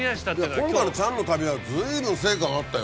今回のチャンの旅は随分成果があったよ